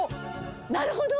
なるほど！